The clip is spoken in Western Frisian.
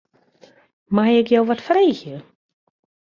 Mei ik jo wat freegje?